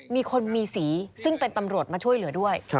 มีคนมีสีซึ่งเป็นตำรวจมาช่วยเหลือด้วย